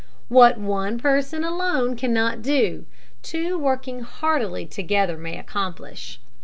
What one person alone cannot do, two working heartily together may accomplish.